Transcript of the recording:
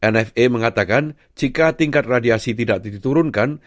nfa mengatakan jika tingkat radiasi tidak diturunkan